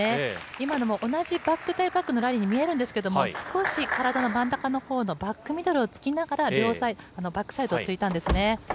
今のも同じバック対バックのラリーに見えるんですけれども、少し体の真ん中のほうのバックミドルをつきながらバックサイドを突いたんですね。